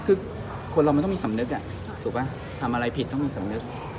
คือคนเรามันต้องมีสำนึกถูกไหมทำอะไรผิดต้องมีสำนึก